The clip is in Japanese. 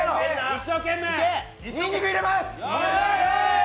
一生懸命！